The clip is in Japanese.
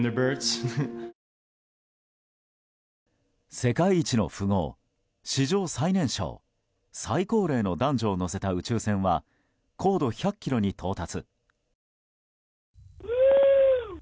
世界一の富豪、史上最年少最高齢の男女を乗せた宇宙船は高度１００ｋｍに到達。